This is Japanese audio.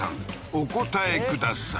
お答えください